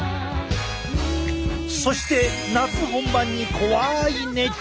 そして夏本番に怖い熱中症。